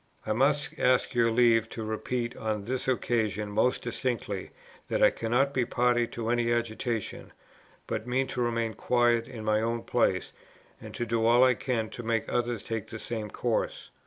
I must ask your leave to repeat on this occasion most distinctly, that I cannot be party to any agitation, but mean to remain quiet in my own place, and to do all I can to make others take the same course.